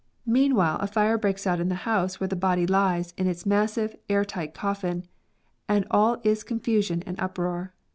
Meanwhile a fire breaks out in the GUILDS. 53 house where the body lies in its massive, air tight coffin, and all is confusion and uproar.